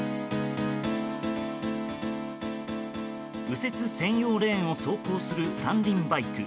右折専用レーンを走行する３輪バイク。